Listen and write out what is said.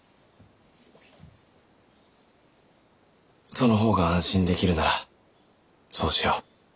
その方が安心できるならそうしよう。